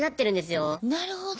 なるほど。